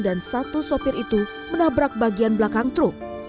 dan satu sopir itu menabrak bagian belakang truk